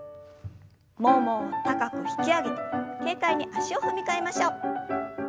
ももを高く引き上げて軽快に足を踏み替えましょう。